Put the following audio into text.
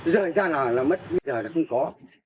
giờ anh ta là mất bây giờ là không có